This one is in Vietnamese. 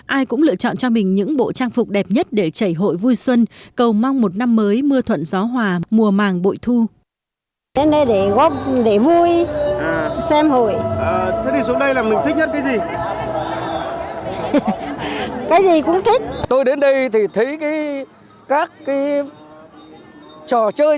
ai cũng lựa chọn cho mình những bộ trang phục đẹp nhất để chảy hội vui xuân cầu mong một năm mới mưa thuận gió hòa mùa màng bội thu